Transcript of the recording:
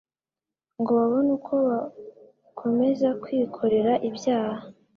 ngo babone uko bakomeza kwikorera ibyaha.